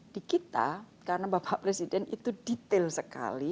di kita karena bapak presiden itu detail sekali